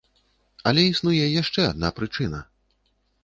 Але існуе яшчэ адна прычына.